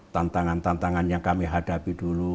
tantangan tantangan yang kami hadapi dulu